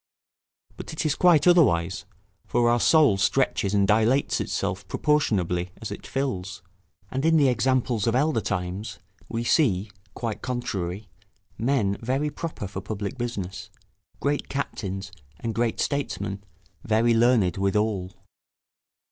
But it is quite otherwise; for our soul stretches and dilates itself proportionably as it fills; and in the examples of elder times, we see, quite contrary, men very proper for public business, great captains, and great statesmen very learned withal.